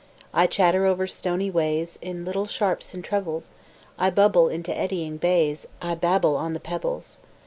I chatter over stony ways, In little sharps and trebles, I bubble into eddying bays, I babble on the pebbles.